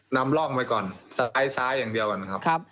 นำร่องไปก่อนซ้ายซ้ายอย่างเดียวกันครับครับ